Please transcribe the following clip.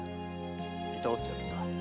いたわってやるんだ。